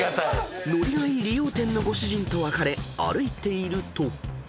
［ノリがいい理容店のご主人と別れ歩いていると］